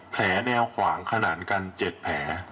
แนวขวางขนาดกัน๗แผล